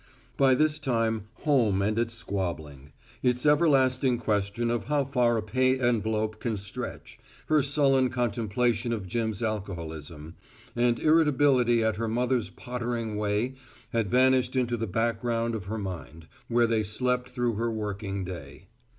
By this time, home and its squabbling; its everlasting question of how far a pay envelope can stretch; her sullen contemplation of Jim's alcoholism; and irritability at her mother's pottering way had vanished into the background of her mind, where they slept through her working day.